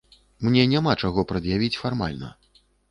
Мне няма чаго прад'явіць фармальна.